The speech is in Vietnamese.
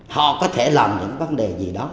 họ có thể làm những vấn đề gì đó